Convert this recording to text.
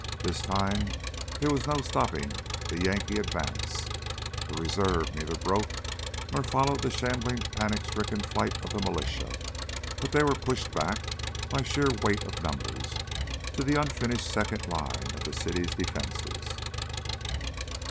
This time there was no stopping the Yankee advance. The reserve neither broke nor followed the shambling panic striken flight of the militia, but were pushed back by sheer weight of numbers to the unfinished second line of the city's defenses.